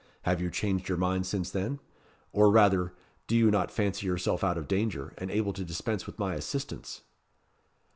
Have you changed your mind since then? or rather, do you not fancy yourself out of danger, and able to dispense with my assistance?"